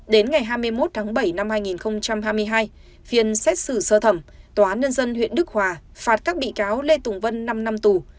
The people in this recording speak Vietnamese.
đến ngày hai mươi một tháng bảy năm hai nghìn hai mươi hai phiên xét xử sơ thẩm tòa án nhân dân huyện đức hòa phạt các bị cáo lê tùng vân năm năm tù